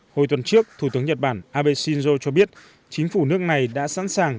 hồi tuần trước thủ tướng nhật bản abe shinzo cho biết chính phủ nước này đã sẵn sàng